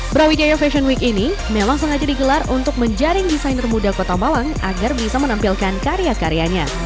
brawijaya fashion week ini memang sengaja digelar untuk menjaring desainer muda kota malang agar bisa menampilkan karya karyanya